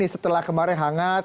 setelah kemarin hangat